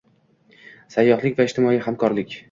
Sayyohlik va ijtimoiy hamkorlik